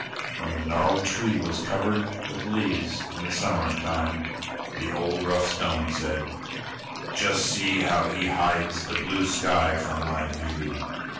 When the gnarled tree was covered with leaves in the summer time, the old, rough Stone said, "Just see how he hides the blue sky from my view!"